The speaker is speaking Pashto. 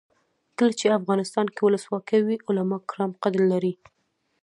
کله چې افغانستان کې ولسواکي وي علما کرام قدر لري.